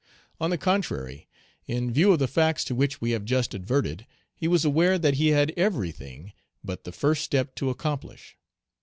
On the contrary, in view of the facts to which we have just adverted, he was aware that he had everything but the first step to accomplish.